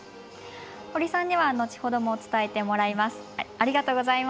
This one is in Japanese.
堀さんには後ほども伝えてもらいます。